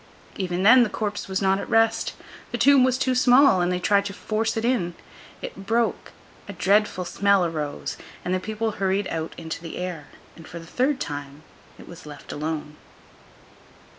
Even then, the corpse was not at rest. The tomb was too small, and they tried to force it in. It broke, a dreadful smell arose, the people hurried out into the air, and, for the third time, it was left alone.